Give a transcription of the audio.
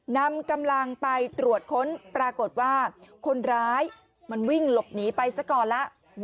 นำกำลังไปตรวจค้นปรากฏว่าคนร้ายมันวิ่งหลบหนีไปซะก่อนแล้ว